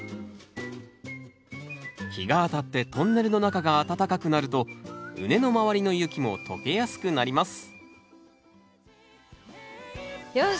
日が当たってトンネルの中が暖かくなると畝の周りの雪もとけやすくなりますよし！